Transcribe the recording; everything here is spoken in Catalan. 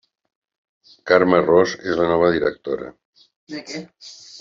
Carme Ros és la nova directora.